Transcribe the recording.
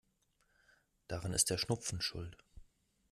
Daran ist der Schnupfen schuld.